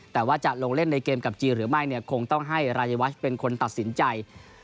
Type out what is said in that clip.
แต่ว่าจะลงเล่นในเกมกับจีนหรือไม่เนี่ยคงต้องให้รายวัชเป็นคนตัดสินใจ